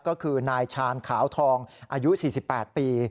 ก็คือนายชาญขาวทองอายุ๔๘ปี